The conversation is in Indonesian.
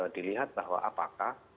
dilihat bahwa apakah